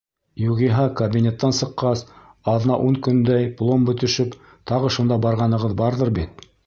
Юғиһә кабинеттан сыҡҡас, аҙна-ун көндән пломба төшөп, тағы шунда барғанығыҙ барҙыр бит?